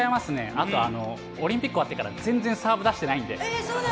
あとオリンピック終わってから全然サーブ出してないので。